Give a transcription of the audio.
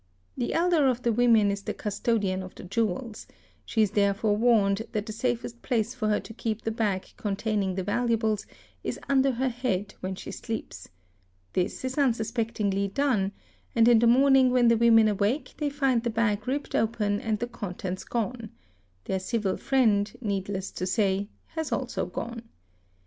he elder of the women is the custodian of the jewels: she is therefore warned that the safest place for her to keep the bag containing the valu 5 E bles is under her head when she sleeps; this is unsuspectingly done, and 'in the morning when' the women awake they find the bag ripped open and the contents gone: their civil friend, needless to say, has also gone.